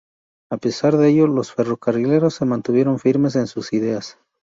A pesar de ello, los ferrocarrileros se mantuvieron firmes en sus ideas.